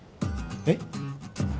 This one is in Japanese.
えっ？